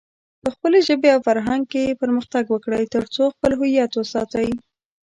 په خپلې ژبې او فرهنګ کې پرمختګ وکړئ، ترڅو خپل هويت وساتئ.